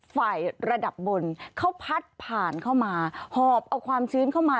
ระดับบนเขาพัดผ่านเข้ามาหอบเอาความชื้นเข้ามา